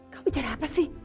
kau bicara apa sih